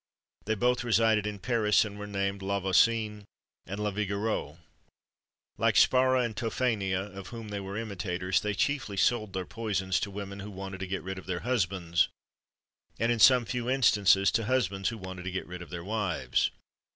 They both resided in Paris, and were named Lavoisin and Lavigoreux. Like Spara and Tophania, of whom they were imitators, they chiefly sold their poisons to women who wanted to get rid of their husbands; and, in some few instances, to husbands who wanted to get rid of their wives.